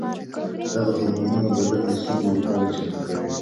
دغه هورمونونه بدن د ستونزو لپاره چمتو کوي.